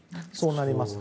そうなります。